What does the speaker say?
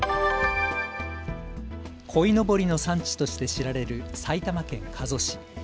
こいのぼりの産地として知られる埼玉県加須市。